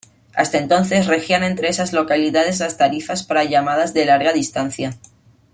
Hasta entonces, regían entre esas localidades las tarifas para llamadas de larga distancia.